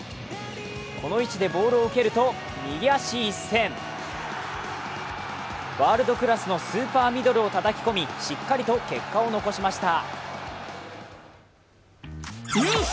この位置で、ボールを受けると右足一閃ワールドクラスのスーパーミドルをたたき込みしっかりと結果を残しました。